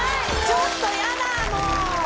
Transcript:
ちょっとやだもう！